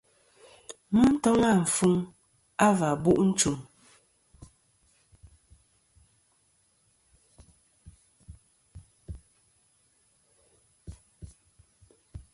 Mɨ toŋ àfuŋ a v̀ bu' nchum.